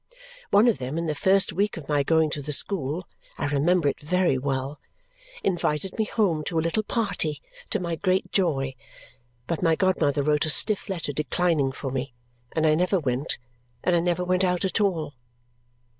One of them in the first week of my going to the school (I remember it very well) invited me home to a little party, to my great joy. But my godmother wrote a stiff letter declining for me, and I never went. I never went out at all.